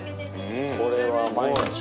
これは毎日。